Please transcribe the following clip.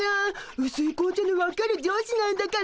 うすい紅茶の分かる女子なんだから！